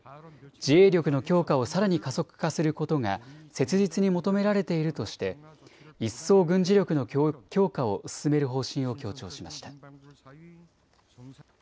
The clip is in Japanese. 自衛力の強化をさらに加速化することが切実に求められているとして一層、軍事力の強化を進める方針を強調しました。